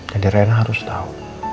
jadi rena harus tau